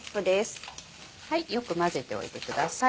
よく混ぜておいてください。